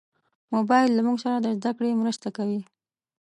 موبایل له موږ سره د زدهکړې مرسته کوي.